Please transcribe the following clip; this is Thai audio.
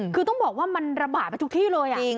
คือต้องบอกว่ามันระบาดไปทุกที่เลยจริง